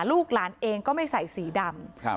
ลูกหลานเองก็ไม่ใส่สีดำ